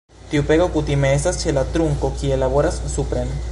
Tiu pego kutime estas ĉe la trunko, kie laboras supren.